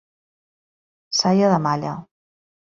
Saia de Malla.